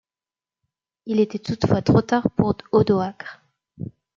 Il était toutefois trop tard pour Odoacre.